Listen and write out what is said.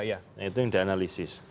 nah itu yang dianalisis